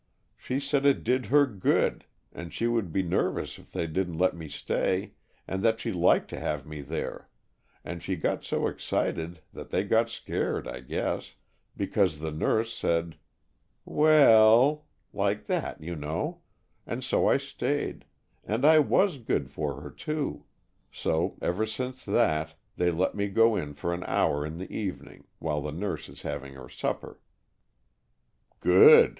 She said it did her good, and she would be nervous if they didn't let me stay, and that she liked to have me there, and she got so excited that they got scared, I guess, because the nurse finally said, 'W e 11, ' like that, you know, and so I stayed, and I was good for her, too, so ever since that they let me go in for an hour in the evening, while the nurse is having her supper." "Good.